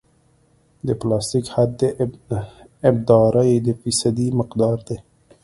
د پلاستیک حد د ابدارۍ د فیصدي مقدار دی